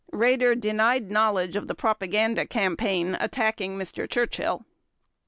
Raeder denied knowledge of the propaganda campaign attacking Mr. Churchill.